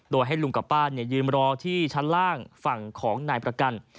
โดยให้ลุงกับป้ายืนรอที่ชั้นล่างฝั่งของนายประกัน